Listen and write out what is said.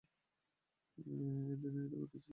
এইদিনই এটা ঘটেছিলো!